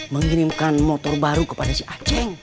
mengirimkan motor baru kepada si aceh